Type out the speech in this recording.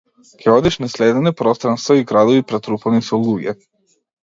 Ќе одиш низ ледени пространства и градови претрупани со луѓе.